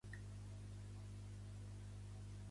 Cada vegada són més usats en empreses i comunitats com a webs